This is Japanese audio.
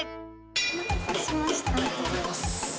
お待たせしました。